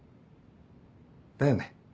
だよね。